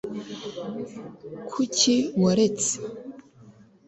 kuki waretse